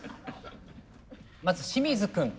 まず清水君。